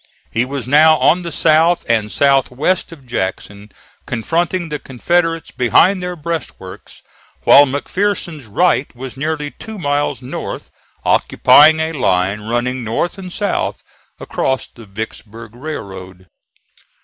He was now on the south and south west of Jackson confronting the Confederates behind their breastworks, while McPherson's right was nearly two miles north, occupying a line running north and south across the Vicksburg railroad.